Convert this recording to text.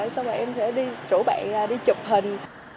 xong rồi em sẽ đi rủ bạn đi chụp hình